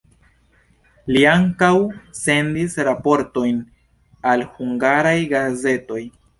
Li ankaŭ sendis raportojn al hungaraj gazetoj.